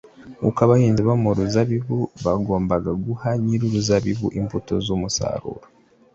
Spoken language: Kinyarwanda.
nk’uko abahinzi bo mu ruzabibu bagombaga guha nyir’uruzabibu imbuto z’umusaruro